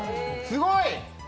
すごい！